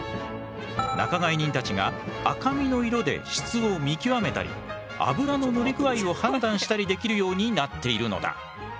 仲買人たちが赤身の色で質を見極めたり脂の乗り具合を判断したりできるようになっているのだ。